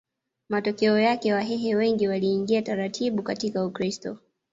Matokeo yake Wahehe wengi waliingia taratibu katika Ukristo